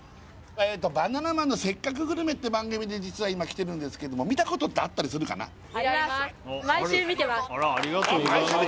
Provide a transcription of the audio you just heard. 「バナナマンのせっかくグルメ！！」って番組で今来てるんですけども見たことってあったりするかな？